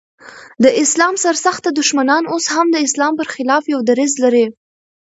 د اسلام سر سخته دښمنان اوس هم د اسلام پر خلاف يو دريځ لري.